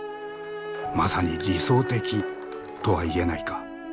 まさに理想的とは言えないか。